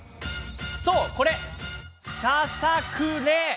そう、これ、ささくれ。